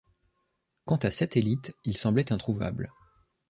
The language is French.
Quant à Satellite, il semblait introuvable.